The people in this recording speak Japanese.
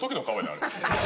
あれ。